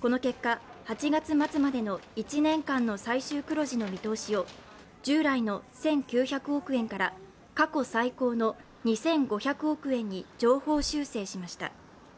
この結果、８月末までの１年間の最終黒字の見通しを従来の１９００億円から過去最高の２５００億円に上方修正しました。